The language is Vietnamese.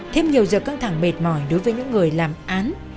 thêm nhiều giờ căng thẳng mệt mỏi đối với những người làm án